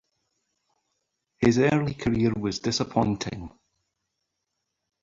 His early career was disappointing.